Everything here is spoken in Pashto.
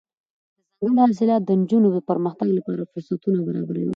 دځنګل حاصلات د نجونو د پرمختګ لپاره فرصتونه برابروي.